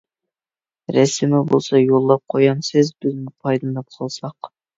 رەسىمى بولسا يوللاپ قويامسىز؟ بىزمۇ پايدىلىنىپ قالساق.